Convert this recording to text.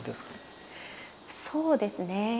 そうですね。